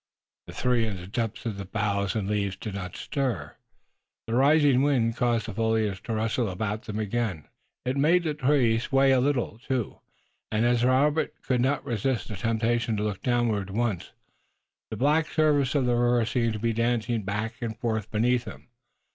The three in the depths of the boughs and leaves did not stir. The rising wind caused the foliage to rustle about them again. It made the tree sway a little, too, and as Robert could not resist the temptation to look downward once, the black surface of the river seemed to be dancing back and forth beneath him.